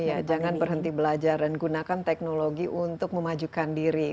iya jangan berhenti belajar dan gunakan teknologi untuk memajukan diri